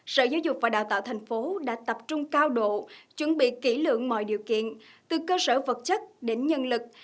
sở giáo dục và đào tạo thành phố đã tập trung cao độ chuẩn bị kỹ lượng mọi điều kiện từ cơ sở vật chất đến nhân lực